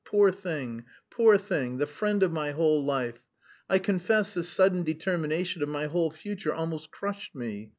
Poor thing, poor thing, the friend of my whole life! I confess the sudden determination of my whole future almost crushed me....